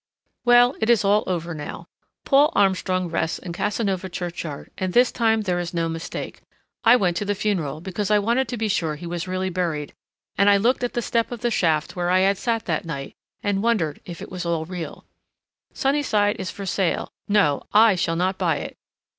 _" Well, it is all over now. Paul Armstrong rests in Casanova churchyard, and this time there is no mistake. I went to the funeral, because I wanted to be sure he was really buried, and I looked at the step of the shaft where I had sat that night, and wondered if it was all real. Sunnyside is for sale—no, I shall not buy it.